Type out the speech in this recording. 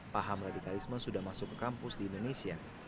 paham radikalisme sudah masuk ke kampus di indonesia